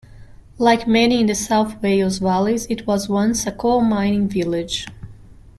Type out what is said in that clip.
Like many in the South Wales Valleys, it was once a coal-mining village.